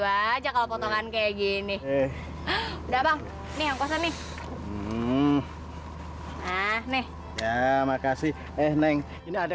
maju aja kalau potongan kayak gini udah bang nih aku samih nih ya makasih eh neng ini ada